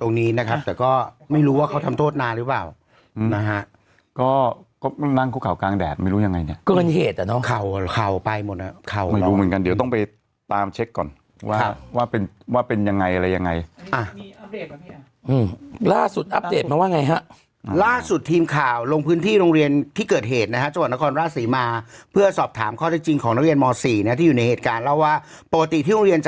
ตรงนี้นะครับแต่ก็ไม่รู้ว่าเขาทำโทษนานหรือเปล่านะฮะก็นั่งคู่ข่าวกลางแดดไม่รู้ยังไงเนี่ยก็เป็นเหตุอ่ะเนาะเขาเขาไปหมดนะเขาไม่รู้เหมือนกันเดี๋ยวต้องไปตามเช็คก่อนว่าว่าเป็นว่าเป็นยังไงอะไรยังไงอ่ะล่าสุดอัพเดทมาว่าไงฮะล่าสุดทีมข่าวลงพื้นที่โรงเรียนที่เกิดเหตุนะฮะจังหวัดน